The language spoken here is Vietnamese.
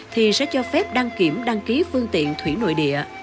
thì sẽ cho phép đăng kiểm đăng ký phương tiện thủy nội địa